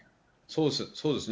そうですね。